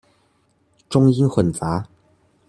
中英混雜